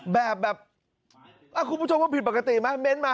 แบบคุณผู้ชมว่าผิดปกติไหม